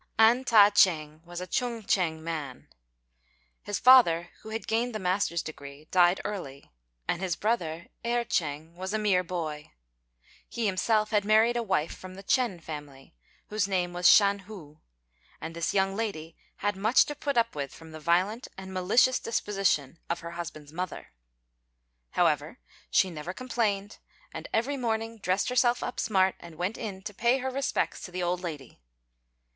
An Ta ch'êng was a Chung ch'ing man. His father, who had gained the master's degree, died early; and his brother Erh ch'êng was a mere boy. He himself had married a wife from the Ch'ên family, whose name was Shan hu; and this young lady had much to put up with from the violent and malicious disposition of her husband's mother. However, she never complained; and every morning dressed herself up smart, and went in to pay her respects to the old lady.